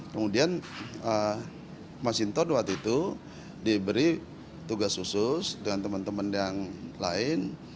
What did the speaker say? kemudian mas hinton waktu itu diberi tugas khusus dengan teman teman yang lain